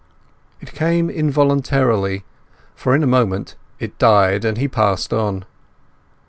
It came involuntarily, for in a moment it died, and he passed on.